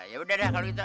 ya udah dah kalau gitu